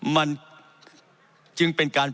มันจึงเป็นการ